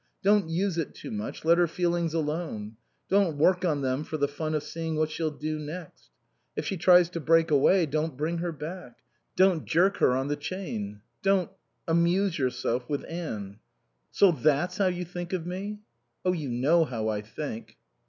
Don't use it too much. Let her feelings alone. Don't work on them for the fun of seeing what she'll do next. If she tries to break away don't bring her back. Don't jerk her on the chain. Don't amuse yourself with Anne." "So that's how you think of me?" "Oh, you know how I think."